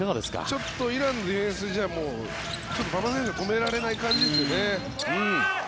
ちょっとイランのディフェンス馬場選手を止められない感じですよね。